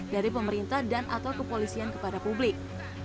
dari pemerintah dan atau kepolisian kepada publik